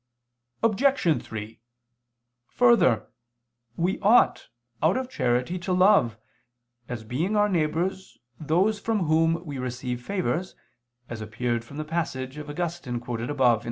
Obj. 3: Further, we ought, out of charity, to love, as being our neighbors, those from whom we receive favors, as appears from the passage of Augustine quoted above (A.